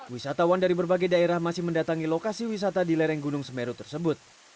wisatawan dari berbagai daerah masih mendatangi lokasi wisata di lereng gunung semeru tersebut